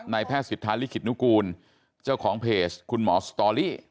แพทย์สิทธาลิขิตนุกูลเจ้าของเพจคุณหมอสตอรี่